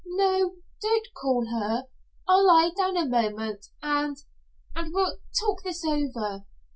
"No, don't call her. I'll lie down a moment, and and we'll talk this over."